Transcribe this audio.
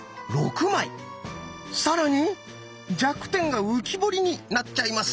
更に弱点が浮き彫りになっちゃいます。